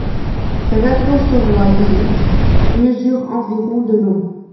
Cet hadrosauroïde mesurait environ de long.